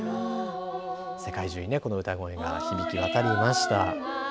世界中にね、この歌声が響き渡りました。